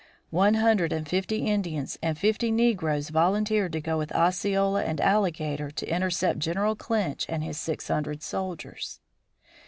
One hundred and fifty Indians and fifty negroes volunteered to go with Osceola and Alligator to intercept General Clinch and his six hundred soldiers.